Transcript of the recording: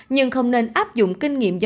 nhưng không nên áp dụng kinh nghiệm